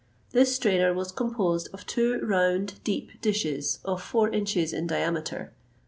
This strainer was composed of two round, deep dishes, of four inches in diameter.